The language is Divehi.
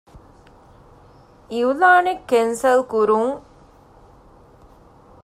އިޢުލާނެއް ކެންސަލް ކުރުން